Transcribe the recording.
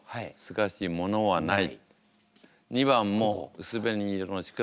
「まぶしいものはない」。